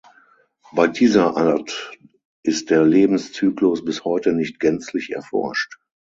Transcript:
Bei dieser Art ist der Lebenszyklus bis heute nicht gänzlich erforscht.